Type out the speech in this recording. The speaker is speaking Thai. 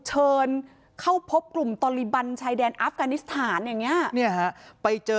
เชิญเข้าพบกลุ่มตอลิบันชายแดนอัฟกานิสถานอย่างเงี้เนี่ยฮะไปเจอ